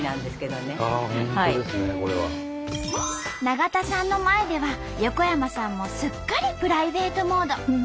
永田さんの前では横山さんもすっかりプライベートモード。